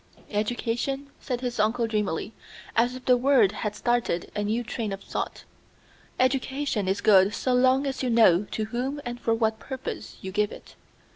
"Education," said his uncle dreamily, as if the word had started a new train of thought, "education is good so long as you know to whom and for what purpose you give it.